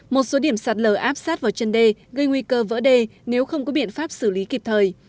một số điểm sạt lở áp sát vào chân đê gây nguy cơ vỡ đê nếu không có biện pháp xử lý kịp thời